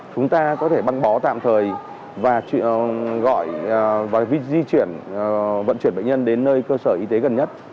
chúng ta có thể băng bó tạm thời và gọi và di chuyển vận chuyển bệnh nhân đến nơi cơ sở y tế gần nhất